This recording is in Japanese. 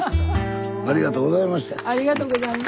ありがとうございます。